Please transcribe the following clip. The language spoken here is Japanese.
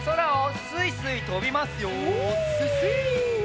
すいすい。